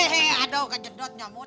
hei aduh kejedotnya mut